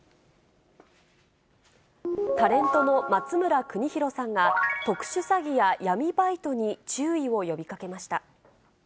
タレントの松村邦洋さんが、特殊詐欺や闇バイトに注意を呼びかけました。